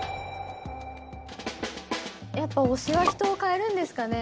やっぱ推しは人を変えるんですかね。